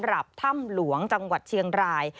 หลับถ้ำหลวงจังหวัดเชียงราย